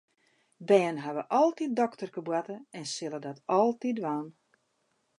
Bern hawwe altyd dokterkeboarte en sille dat altyd dwaan.